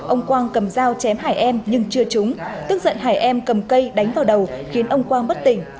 ông quang cầm dao chém hải em nhưng chưa trúng tức giận hải em cầm cây đánh vào đầu khiến ông quang bất tỉnh